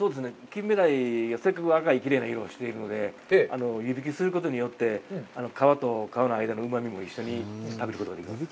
キンメダイは、せっかく赤いきれいな色をしているので、湯引きすることによって、皮と皮の間のうまみも一緒に食べることができます。